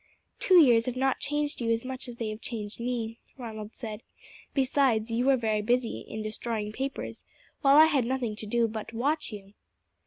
"Two years have not changed you as much as they have changed me," Ronald said; "besides, you were busy in destroying papers, while I had nothing to do but to watch you."